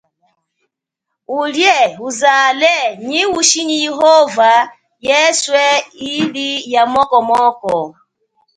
Ulie, uzale, nyi uchi nyi yehova yeswe ili ya moko moko.